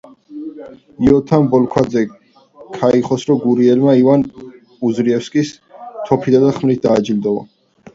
იოთამ ბოლქვაძე ქაიხოსრო გურიელმა ივან პუზირევსკის თოფითა და ხმლით დააჯილდოვა.